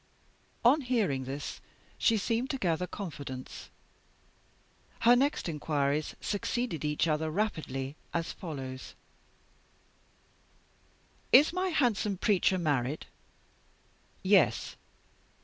On hearing this, she seemed to gather confidence. Her next inquiries succeeded each other rapidly, as follows: "'Is my handsome preacher married?' "'Yes.